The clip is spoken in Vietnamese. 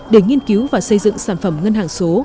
để nghiên cứu và xây dựng sản phẩm ngân hàng số